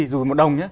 dù một đồng nhé